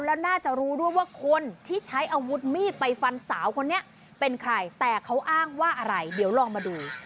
แล้วน่าจะรู้ด้วยว่าคนที่ใช้อาวุธมีดไปฟันสาวคนนี้เป็นใครแต่เขาอ้างว่าอะไรเดี๋ยวลองมาดู